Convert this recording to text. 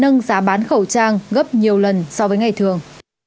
nâng giá bán khẩu trang gấp nhiều lần so với ngày thường